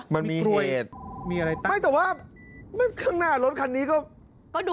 มันมีเหตุ